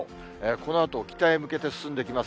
このあと北へ向けて進んできます。